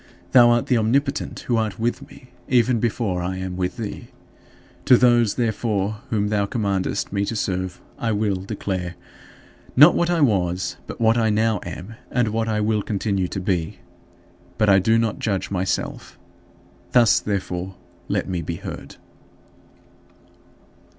Thou art the Omnipotent, who art with me, even before I am with thee. To those, therefore, whom thou commandest me to serve, I will declare, not what I was, but what I now am and what I will continue to be. But I do not judge myself. Thus, therefore, let me be heard.